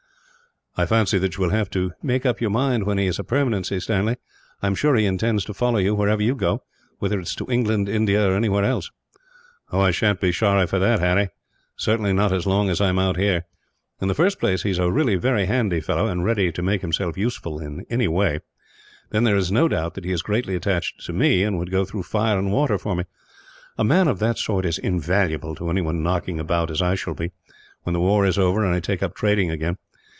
"I fancy that you will have to make up your mind that he is a permanency, Stanley. I am sure he intends to follow you, wherever you go; whether it is to England, India, or anywhere else." "I sha'n't be sorry for that, Harry; certainly not as long as I am out here. In the first place, he is really a very handy fellow, and ready to make himself useful, in any way; then there is no doubt that he is greatly attached to me, and would go through fire and water for me. A man of that sort is invaluable to anyone knocking about as I shall be, when the war is over and I take up trading again.